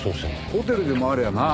ホテルでもありゃあな。